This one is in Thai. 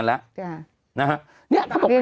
กรมป้องกันแล้วก็บรรเทาสาธารณภัยนะคะ